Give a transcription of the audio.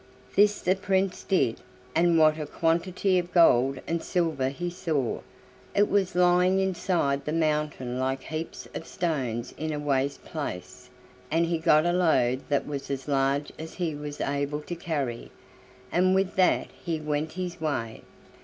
This the Prince did, and what a quantity of gold and silver he saw! It was lying inside the mountain like heaps of stones in a waste place, and he got a load that was as large as he was able to carry, and with that he went his way.